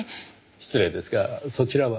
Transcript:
失礼ですがそちらは？